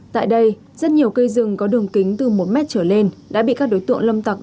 tại đây rất nhiều cây rừng có đường kính từ một mét trở lên đã bị các đối tượng lâm tặc